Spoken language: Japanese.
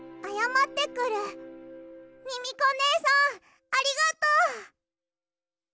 ミミコねえさんありがとう！